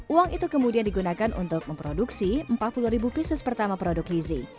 uang itu kemudian digunakan untuk memproduksi empat puluh ribu pieces pertama produk gizi